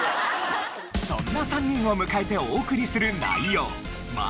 そんな３人を迎えてお送りする内容